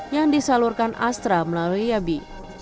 yang disalurkan astra melalui yabi